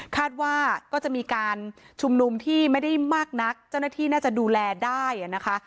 คาดว่าก็จะมีการชุมนุมที่ไม่ได้มากนักเจ้าหน้าที่น่าจะดูแลได้นะคะ